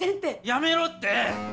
やめろって！